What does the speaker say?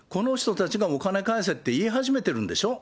この人たちがお金返せって言い始めてるんでしょ。